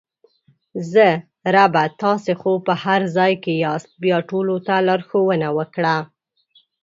زه: ربه تاسې خو په هر ځای کې یاست بیا ټولو ته لارښوونه وکړه!